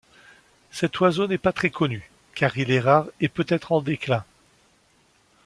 Cet oiseau n'est pas très connu, car il est rare et peut-être en déclin.